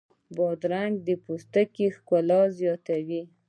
بادرنګ د پوستکي ښکلا زیاتوي.